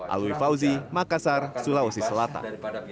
alwi fauzi makassar sulawesi selatan